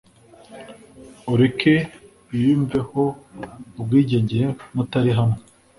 ureke yiyumvemo ubwigenge mutari hamwe